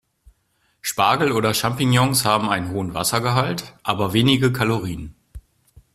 Spargel oder Champignons haben einen hohen Wassergehalt, aber wenige Kalorien.